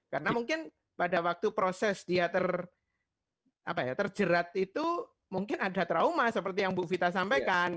karena mungkin pada waktu proses dia terjerat itu mungkin ada trauma seperti yang bu vita sampaikan